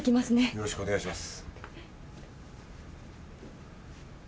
よろしくお願いします。